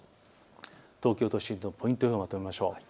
東京都心のポイント予報をまとめましょう。